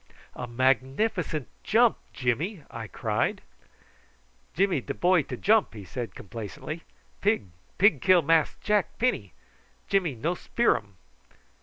"A magnificent jump, Jimmy," I cried. "Jimmy de boy to jump," he said, complacently. "Pig, pig kill Mass Jack Penny, Jimmy no spear um."